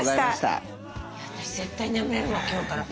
私絶対眠れるわ今日から。